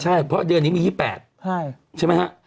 ใช่เพราะเดือนนี้มี๒๘ใช่ไหมฮะ